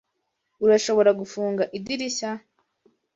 Urashobora gufunga idirishya?